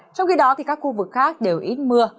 trong khi đó các khu vực khác đều ít mưa